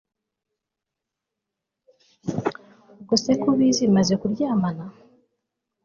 ubwo se uko ubizi maze kuryamana